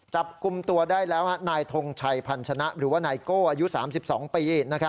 จับกลุ่มตัวได้แล้วนายทงชัยพันธนะหรือว่านายโก้อายุ๓๒ปี